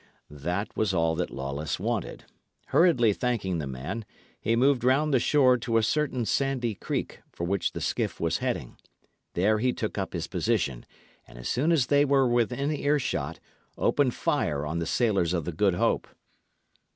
This was all that Lawless wanted. Hurriedly thanking the man, he moved round the shore to a certain sandy creek, for which the skiff was heading. There he took up his position, and as soon as they were within earshot, opened fire on the sailors of the Good Hope.